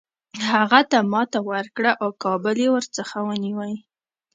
هغه ته ماته ورکړه او کابل یې ورڅخه ونیوی.